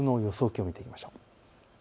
気温を見ていきましょう。